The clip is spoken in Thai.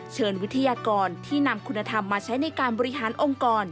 วิทยากรที่นำคุณธรรมมาใช้ในการบริหารองค์กร